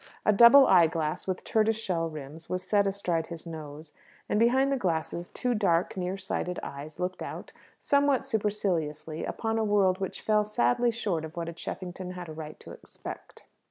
A double eyeglass with tortoise shell rims was set astride his nose; and behind the glasses two dark, near sighted eyes looked out, somewhat superciliously, upon a world which fell sadly short of what a Cheffington had a right to expect.